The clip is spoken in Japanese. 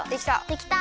できた。